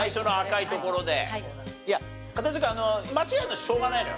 いや片寄君間違えるのはしょうがないのよ。